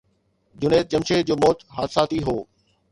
جنيد جمشيد جو موت حادثاتي هو.